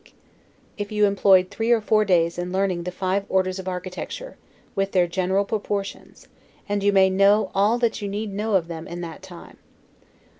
It would not be amiss, if you employed three or four days in learning the five orders of architecture, with their general proportions; and you may know all that you need know of them in that time.